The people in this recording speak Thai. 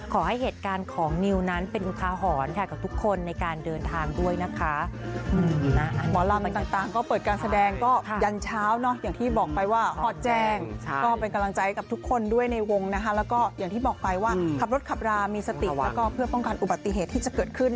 ขอให้เหตุการณ์ของนิวนั้นเป็นอุปาห